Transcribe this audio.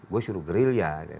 gua suruh gerilya